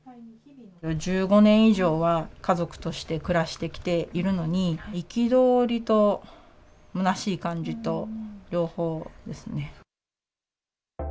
１５年以上は家族として暮らしてきているのに、憤りとむなしい感じと、両方ですね。